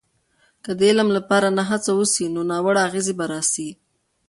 که د علم لپاره نه هڅه وسي، نو ناوړه اغیزې به راسي.